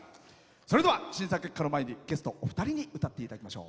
それででは審査結果の前にゲストお二人に歌っていただきましょう。